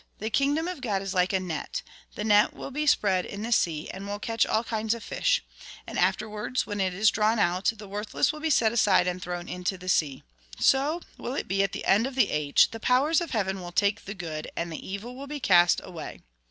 The kingdom of God is like a net. The net will THE SOURCE OF LIFE 47 Mt. xiii. 48. be spread in the sea, and will catch all kinds of fish. And afterwai'ds, when it is drawn out, the worthless will be set aside and thrown into the sea. So will it be at the end of the age ; the powers of heaven will take the good, and the evil will be cast away.